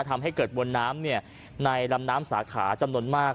ทำให้เกิดมวลน้ำในลำน้ำสาขาจำนวนมาก